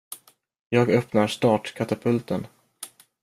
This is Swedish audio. Jag öppnar startkatapulten.